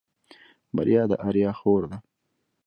بريا د آريا خور ده.